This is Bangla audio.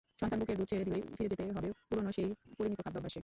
সন্তান বুকের দুধ ছেড়ে দিলেই ফিরে যেতে হবে পুরোনো সেই পরিমিত খাদ্যাভ্যাসে।